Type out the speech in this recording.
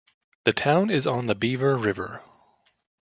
The town is on the Beaver River.